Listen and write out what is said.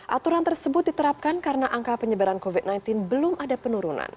aturan tersebut diterapkan karena angka penyebaran covid sembilan belas belum ada penurunan